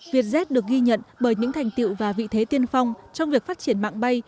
vietjet được ghi nhận bởi những thành tiệu và vị thế tiên phong trong việc phát triển mạng bay